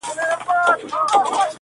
• چي سودا کوې په څېر د بې عقلانو -